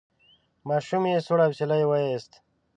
ماشومې سوړ اسویلی وایست: